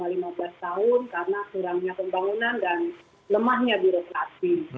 pastinya sudah cemur selama lima belas tahun karena kurangnya pembangunan dan lemahnya birokrasi